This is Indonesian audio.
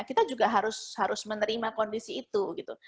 kita juga harus menerima kondisi itu gitu